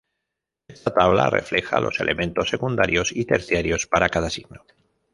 Esta tabla refleja los elementos secundarios y terciarios para cada signo.